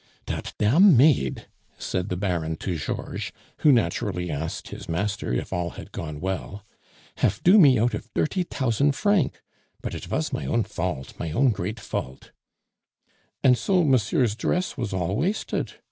"Dat dam' maid!" said the Baron to Georges, who naturally asked his master if all had gone well, "hafe do me out of dirty tousant franc but it vas my own fault, my own great fault " "And so monsieur's dress was all wasted.